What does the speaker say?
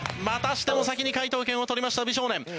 またしても先に解答権を取りました美少年。